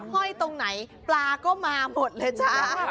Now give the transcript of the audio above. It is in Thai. ห้อยตรงไหนปลาก็มาหมดเลยจ้า